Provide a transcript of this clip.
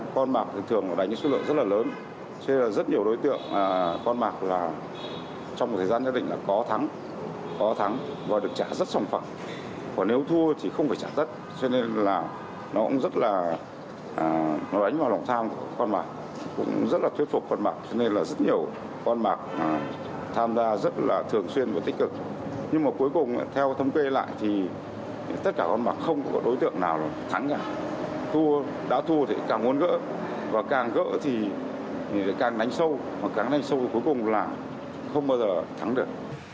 có đối tượng nào là thắng cả thua đã thua thì càng muốn gỡ và càng gỡ thì càng đánh sâu và càng đánh sâu cuối cùng là không bao giờ thắng được